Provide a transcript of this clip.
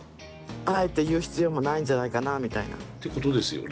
「あえて言う必要もないんじゃないかな」みたいな。ってことですよね。